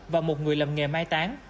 và một người làm nghề mai tán